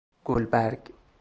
گلبرگ